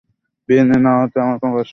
বিয়ে না হওয়াতে আমার কোনো কষ্ট নেই।